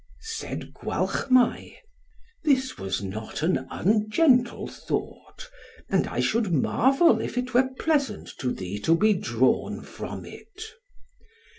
Said Gwalchmai, "This was not an ungentle thought, and I should marvel if it were pleasant to thee to be drawn from it."